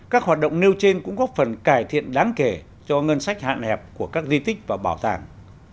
các hoạt động nêu trên cũng góp phần cải thiện đáng kể cho ngân sách hạn hẹp của các di tích và bảo tàng